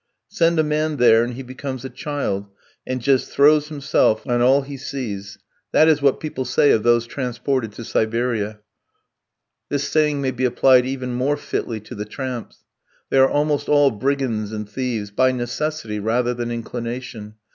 "Send a man there and he becomes a child, and just throws himself on all he sees"; that is what people say of those transported to Siberia. This saying may be applied even more fitly to the tramps. They are almost all brigands and thieves, by necessity rather than inclination.